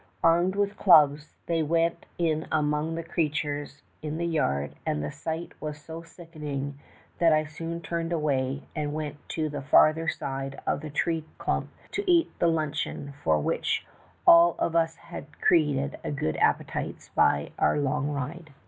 Armed with clubs they went in among the crea tures in the yard, and the sight was so sickening 240 THE TALKING HANDKERCHIEF. that I soon turned away and went to the farther side of the tree clump to eat the luncheon for which all of us had created good appetites by our long ride.